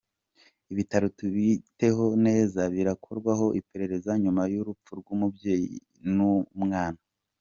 Ibitaro tubiteho neza birakorwaho iperereza nyuma y’urupfu rw’umubyeyi n’umwana